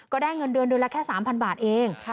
ก็ได้เงินเดือนเดือนละแค่๓๐๐บาทเอง